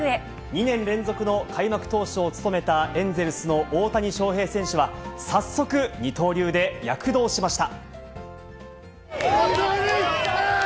２年連続の開幕投手を務めたエンゼルスの大谷翔平選手は、早速、二刀流で躍動しました。